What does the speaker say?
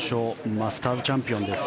マスターズチャンピオンです。